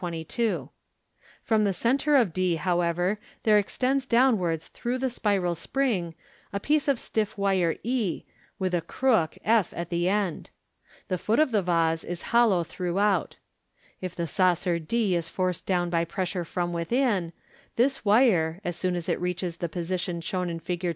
From the centre of d, however, there extends downwards through the spiral 39<> MODERN MAGIC. spring a piece of stiff wire e, with a crook, /, at the end. The foot of the vase is hollow throughout. If the saucer d is forced down by pressure from within, this wire, as soon as it reaches the position shown in Fig.